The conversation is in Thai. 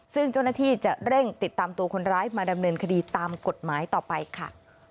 ซึ่งเจ้าหน้าที่จะเร่งติดตามตัวคนร้ายมาดำเนินคดีตามกฎหมายต่อไปค่ะ